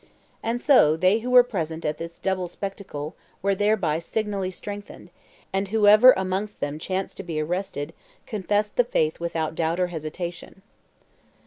And so they who were present at this double spectacle were thereby signally strengthened, and whoever amongst them chanced to be arrested confessed the faith without doubt or hesitation.